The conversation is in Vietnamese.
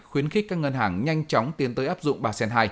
khuyến khích các ngân hàng nhanh chóng tiến tới áp dụng ba sen hai